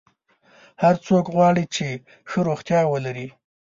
هر څوک غواړي چې ښه روغتیا ولري.